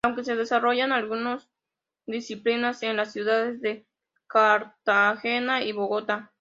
Aunque se desarrollaron algunas disciplinas en las ciudades de Cartagena y Bogotá.